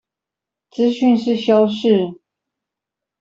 資訊是修飾